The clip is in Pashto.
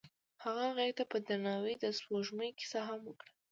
هغه هغې ته په درناوي د سپوږمۍ کیسه هم وکړه.